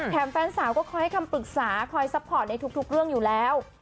แฟนสาวก็คอยให้คำปรึกษาคอยซัพพอร์ตในทุกเรื่องอยู่แล้ว